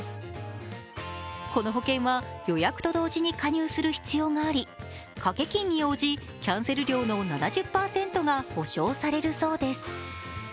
この保険は、予約と同時に加入する必要があり掛け金に応じ、キャンセル料の７０％が補償されるそうです。